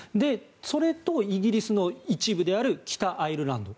それと、イギリスの一部である北アイルランド。